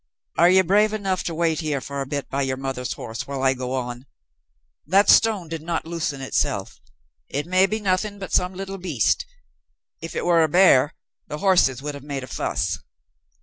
"Are you brave enough to wait here a bit by your mother's horse while I go on? That stone did not loosen itself. It may be nothing but some little beast, if it were a bear, the horses would have made a fuss."